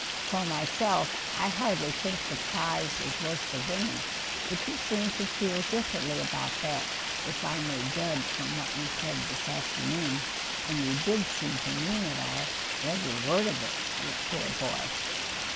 For myself, I hardly think the prize is worth the winning, but you seem to feel differently about that, if I may judge from what you said this afternoon, and you did seem to mean it all, every word of it, you poor boy.